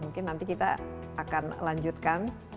mungkin nanti kita akan lanjutkan